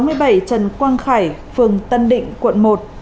sáu mươi bảy trần quang khải phường tân định quận một